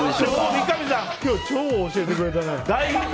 三上さん、今日超教えてくれたね。